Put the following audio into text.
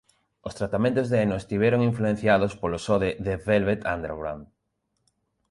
Os "tratamentos" de Eno estiveron influenciados polo so de The Velvet Underground.